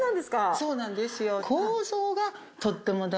そうなんですよ。